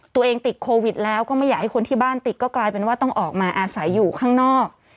ติดโควิดแล้วก็ไม่อยากให้คนที่บ้านติดก็กลายเป็นว่าต้องออกมาอาศัยอยู่ข้างนอก